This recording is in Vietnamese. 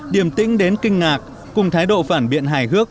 điểm tĩnh đến kinh ngạc cùng thái độ phản biện hài hước